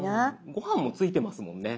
ごはんもついてますもんね。